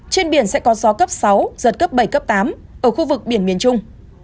trên biển sẽ có gió cấp sáu giật cấp bảy cấp tám ở khu vực biển miền trung